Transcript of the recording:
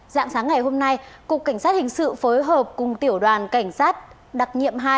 dạng sáng ngày hôm nay cục cảnh sát hình sự phối hợp cùng tiểu đoàn cảnh sát đặc nhiệm hai